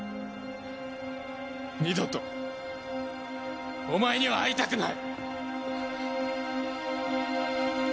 二度とお前には会いたくない！